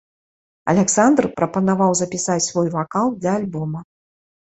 Аляксандр прапанаваў запісаць свой вакал для альбома.